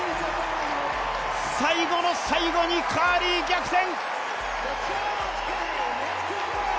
最後の最後にカーリー逆転！